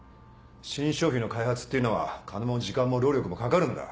新商品の開発っていうのは金も時間も労力もかかるんだ。